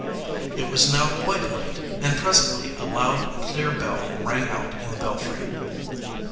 It was now quite late, and presently a loud, clear bell rang out in the belfry.